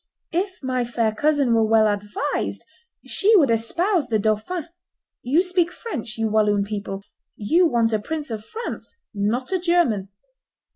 If my fair cousin were well advised, she would espouse the dauphin; you speak French, you Walloon people; you want a prince of France, not a German.